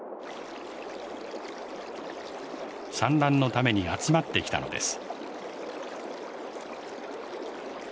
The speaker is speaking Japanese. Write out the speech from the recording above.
産卵のために集まってきたのです。